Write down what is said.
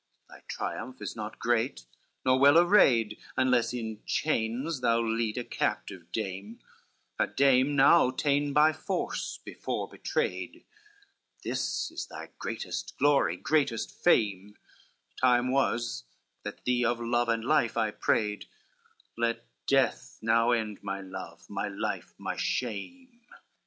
CXXXII "Thy triumph is not great nor well arrayed Unless in chains thou lead a captive dame: A dame now ta'en by force, before betrayed, This is thy greatest glory, greatest fame: Time was that thee of love and life I prayed, Let death now end my love, my life, my shame.